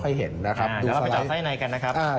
เดี๋ยวเราไปดูไส้ไนกันนะครับ